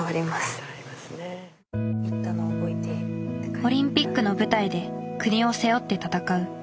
オリンピックの舞台で国を背負って戦う。